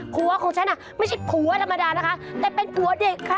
ขัวของฉันไม่ใช่ขัวลำดานะคะแต่เป็นขัวเด็กค่ะ